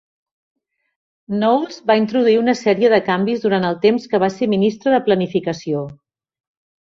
Knowles va introduir una sèrie de canvis durant el temps que va ser ministre de planificació.